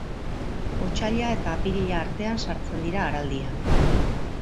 Otsaila eta apirila artean sartzen dira araldian.